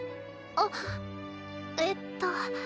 あっえっと。